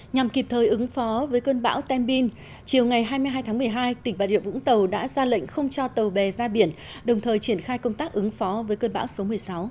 nhằm kịp thời ứng phó với cơn bão tem bin chiều ngày hai mươi hai tháng một mươi hai tỉnh bà rịa vũng tàu đã ra lệnh không cho tàu bè ra biển đồng thời triển khai công tác ứng phó với cơn bão số một mươi sáu